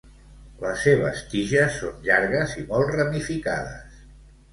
Les seves tiges són llargues i molt ramificades.